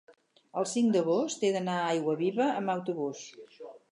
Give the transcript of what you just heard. el cinc d'agost he d'anar a Aiguaviva amb autobús.